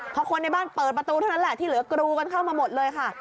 พอคนในบ้านเปิดประตูเท่านั้นแหละที่เหลือกรูกันเข้ามาหมดเลยค่ะ